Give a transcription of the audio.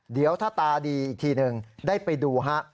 เดี๋ยวถ้าตาดีอีกทีหนึ่งได้ไปดูฮะ